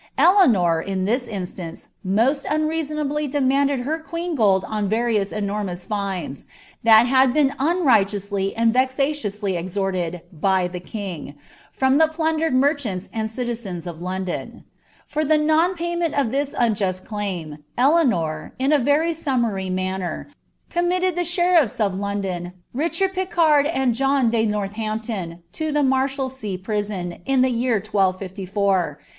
Eleanor, in this inslance, most unreasonably demanded her queen gold on various enor liODs fines, that had been unrighteously and vexatiously extorted by the ^ing, from the plundered merchants and citizens of London. For the lion payment of this unjust claim, Eleanor, in a very summary manner, Committed the sheriff of London, Richard Picard and John de North ^pton, to the Marshalsea prison, in the year 1254 ;* and the same year Hlatoiy of Exchequer, ehap.